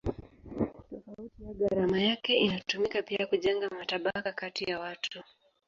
Tofauti ya gharama yake inatumika pia kujenga matabaka kati ya watu.